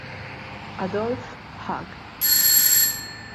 Adolphe Hug